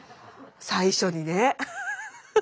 最初にね。